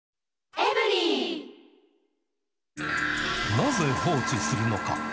なぜ放置するのか。